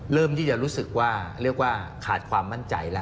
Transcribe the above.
เริ่มที่จะรู้สึกว่าเรียกว่าขาดความมั่นใจแล้ว